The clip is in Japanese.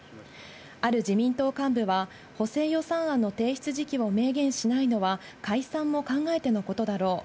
ある自民党幹部は補正予算案の提出時期を明言しないのは解散も考えてのことだろう。